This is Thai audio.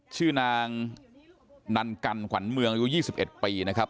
ชื่อนางนันกรร์ขวันเมืองยู่๒๑ปีนะครับ